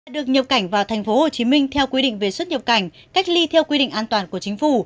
được nhập cảnh vào tp hcm theo quy định về xuất nhập cảnh cách ly theo quy định an toàn của chính phủ